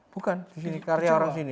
bukan di karya orang sini